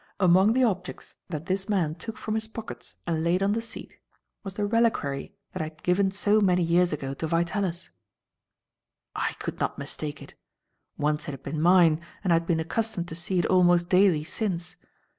Among the objects that this man took from his pockets and laid on the seat, was the reliquary that I had given so many years ago to Vitalis. "I could not mistake it. Once it had been mine, and I had been accustomed to see it almost daily since.